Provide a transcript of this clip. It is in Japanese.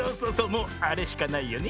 もうあれしかないよね。